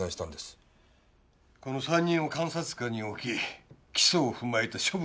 この３人を監察下に置き起訴を踏まえた処分を検討する。